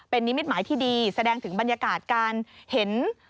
เป็นนิตมิตรหมายที่ดีแสดงถึงบรรยากาศ